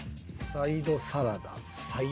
サイドサラダ？